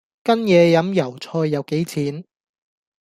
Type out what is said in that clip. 跟野飲油菜又幾錢